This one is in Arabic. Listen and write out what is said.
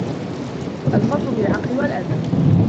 الْفَضْلُ بِالْعَقْلِ وَالْأَدَبِ